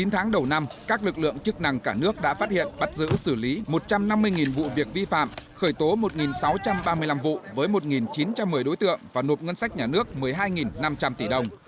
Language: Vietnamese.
chín tháng đầu năm các lực lượng chức năng cả nước đã phát hiện bắt giữ xử lý một trăm năm mươi vụ việc vi phạm khởi tố một sáu trăm ba mươi năm vụ với một chín trăm một mươi đối tượng và nộp ngân sách nhà nước một mươi hai năm trăm linh tỷ đồng